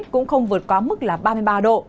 cũng không vượt quá mức là ba mươi ba độ